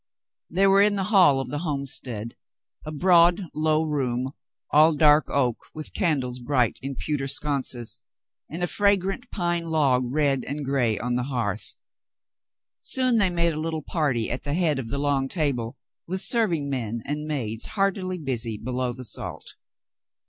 They were in the hall of the homestead, a broad, low room, all dark oak, with candles bright in pewter sconces, and a fragrant pine log red and gray on the hearth. Soon they made a little party at the head of the long table, with serving men and maids heartily busy below the salt.